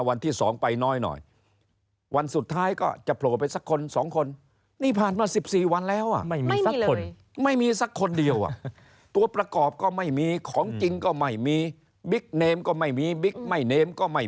ขนาดสถานกรรมการยังหาไม่ได้